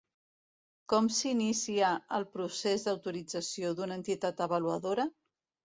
Com s'inicia el procés d'autorització d'una entitat avaluadora?